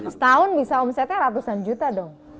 setahun bisa omsetnya ratusan juta dong